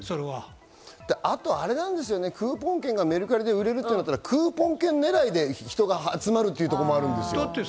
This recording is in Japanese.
あとクーポン券がメルカリで売れるとなったらクーポン券ねらいで人が集まるっていうところもあるんですよ。